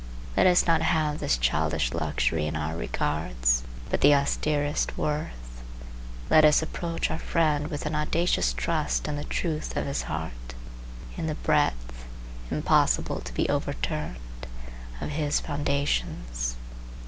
Let us not have this childish luxury in our regards, but the austerest worth; let us approach our friend with an audacious trust in the truth of his heart, in the breadth, impossible to be overturned, of his foundations.